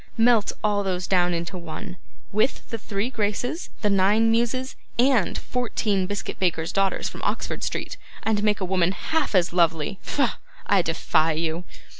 Melt all these down into one, with the three Graces, the nine Muses, and fourteen biscuit bakers' daughters from Oxford Street, and make a woman half as lovely. Pho! I defy you.